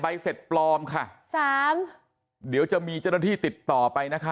เสร็จปลอมค่ะสามเดี๋ยวจะมีเจ้าหน้าที่ติดต่อไปนะคะ